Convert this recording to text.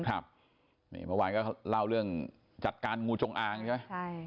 เมื่อวานก็เล่าเรื่องจัดการงูจงอางใช่ไหม